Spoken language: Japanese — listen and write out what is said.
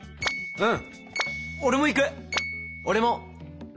うん？